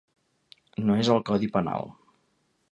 No és al codi penal.